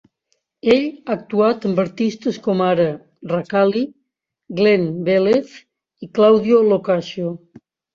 Ell ha actuat amb artistes com ara Rakali, Glen Velez i Claudio Lo Cascio.